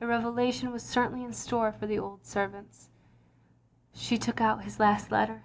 A revelation was certainly in store for the old servants. She took out his last letter.